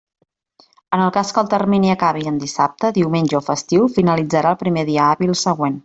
En el cas que el termini acabi en dissabte, diumenge o festiu, finalitzarà el primer dia hàbil següent.